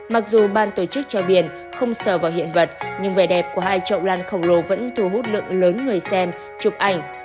mặc dù ban tổ chức treo biển không sờ vào hiện vật nhưng vẻ đẹp của hai chậu lan khổng lồ vẫn thu hút lượng lớn người xem chụp ảnh